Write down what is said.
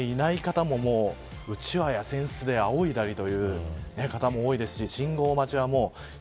差していない方もうちわや扇子であおいだりという方も多いですし